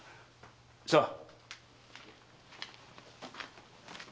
さあ。